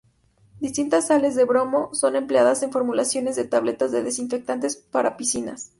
Distintas sales de bromo, son empleadas en formulaciones de tabletas de desinfectantes para piscinas.